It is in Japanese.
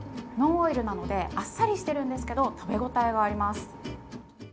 ノンオイルなのであっさりしているんですけれども、食べ応えはあります。